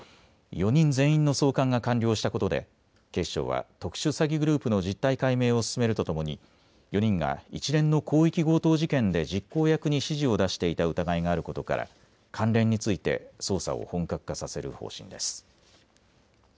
４人全員の送還が完了したことで警視庁は特殊詐欺グループの実態解明を進めるとともに４人が一連の広域強盗事件で実行役に指示を出していた疑いがあることから関連について捜査を本格化させる方針です。